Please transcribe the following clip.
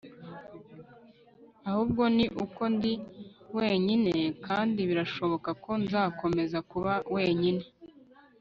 ahubwo ni uko ndi wenyine kandi birashoboka ko nzakomeza kuba wenyine